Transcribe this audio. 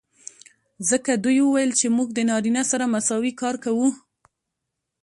ځکه دوي وويل چې موږ د نارينه سره مساوي کار کو.